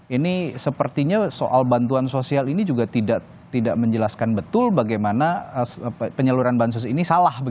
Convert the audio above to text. ini sepertinya soal bantuan sosial ini juga tidak menjelaskan betul bagaimana penyaluran bansos ini salah